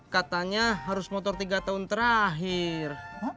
katanya harus motor tiga tahun terakhir